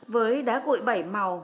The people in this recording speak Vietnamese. với đá gội bảy màu